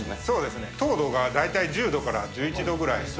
そうですね、糖度が大体１０度から１１度ぐらい。